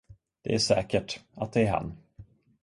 Det är säkert, att det är han.